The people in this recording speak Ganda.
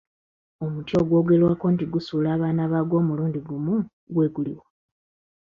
Omuti ogwogerwako nti gusuula abaana baagwo omulundi gumu gwe guli wa?